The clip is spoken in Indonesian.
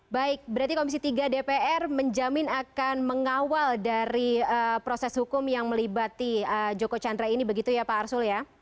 baik berarti komisi tiga dpr menjamin akan mengawal dari proses hukum yang melibati joko chandra ini begitu ya pak arsul ya